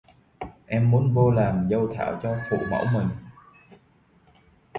Em muốn vô làm dâu thảo cho phụ mẫu mình